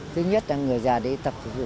thứ nhất là người già đi tập dụng